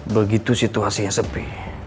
begitu situasinya sepi